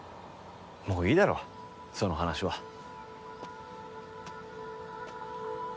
もういいだろその話は。